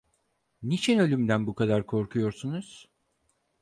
Niçin ölümden bu kadar korkuyorsunuz?